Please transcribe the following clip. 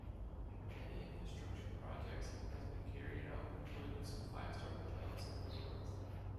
Many infrastructure projects has been carried out including some five-star hotels and resorts.